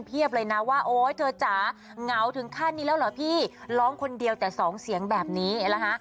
ของของครอบนี้